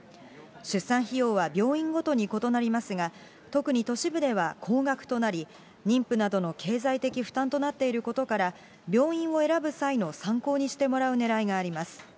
出産費用は病院ごとに異なりますが、特に都市部では高額となり、妊婦などの経済的負担となっていることから、病院を選ぶ際の参考にしてもらうねらいがあります。